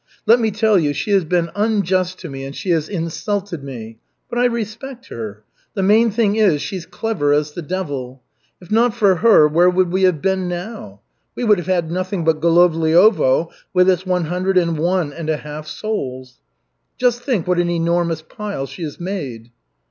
Let me tell you, she has been unjust to me and she has insulted me, but I respect her. The main thing is, she's clever as the devil. If not for her, where would we have been now? We would have had nothing but Golovliovo with its one hundred and one and a half souls. Just think what an enormous pile she has made."